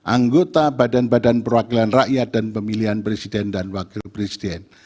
anggota badan badan perwakilan rakyat dan pemilihan presiden dan wakil presiden